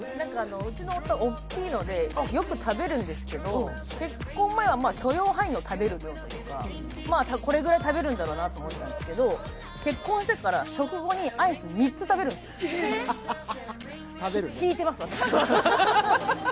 うちの夫は大きいので、よく食べるんですけど、結婚前は許容範囲の食べるだったというか、これぐらい食べるんだろうなと思ってたんですけど、結婚してから食後にアイス３つ食べるんですよ、引いてますよ、私は。